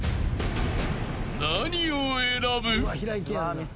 ［何を選ぶ？］